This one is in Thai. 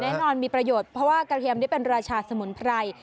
แน่นอนมีประโยชน์เพราะว่ากระเทียมนี่เป็นราชาสมุนไพร